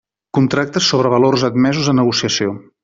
Contractes sobre valors admesos a negociació.